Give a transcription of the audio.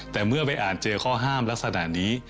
แต่เมื่อไปอ่านเจอข้อห้ามลักษณะนี้